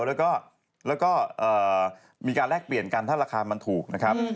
แล้วก็มีการแลกเปลี่ยนกันถ้าราคามันถูกนะครับ